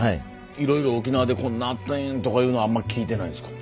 いろいろ沖縄でこんなんあってんとかいうのはあんま聞いてないですか？